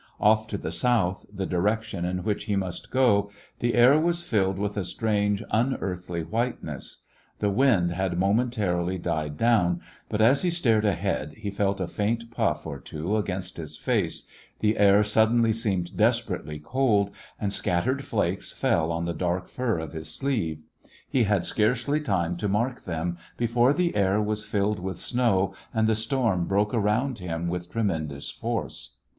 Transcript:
Off to the south, the direction in which he must go, the air was filled with a strange, unearthly whiteness. The wind had A Christmas When momentarily died down» but as he stared ahead he felt a faint puff or two against his face, the air suddenly seemed desperately cold, and scat tered flakes fell on the dark fur of his sleeve. He had scarcely time to mark them before the air was filled with snow and the storm broke around him with tremendous force.